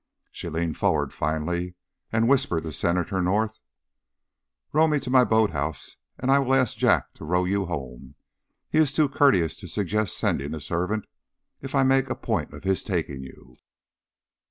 She leaned forward finally and whispered to Senator North: "Row me to my boat house and I will ask Jack to row you home. He is too courteous to suggest sending a servant if I make a point of his taking you."